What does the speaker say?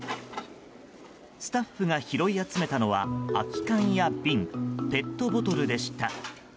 スタッフが拾い集めたのは空き缶や瓶ペットボトルでした。